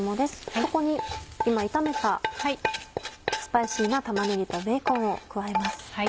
そこに今炒めたスパイシーな玉ねぎとベーコンを加えます。